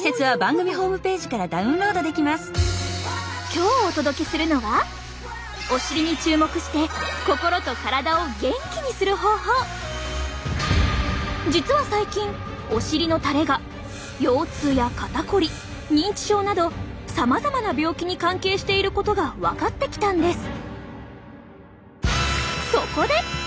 今日お届けするのは実は最近お尻のたれが腰痛や肩こり認知症などさまざまな病気に関係していることが分かってきたんです。